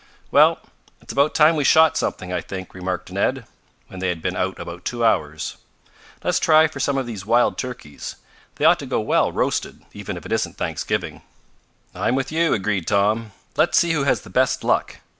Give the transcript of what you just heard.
"Well, it's about time we shot something, I think," remarked Ned, when they had been out about two hours. "Let's try for some of these wild turkeys. They ought to go well roasted even if it isn't Thanksgiving." "I'm with you," agreed Tom. "Let's see who has the best luck.